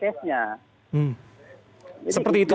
kalau dinyatakan nanti itu memang diduga dalam peristiwa itu